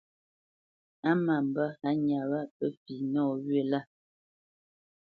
A má mbə́ hánya wâ pə́ fi nɔwyə̂ lâ.